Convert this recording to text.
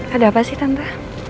ada apa sih tante